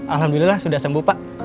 alhamdulillah sudah sembuh pak